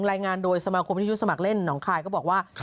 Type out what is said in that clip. รายงานโดยสมาคมวิทยุสมัครเล่นหนองคายก็บอกว่า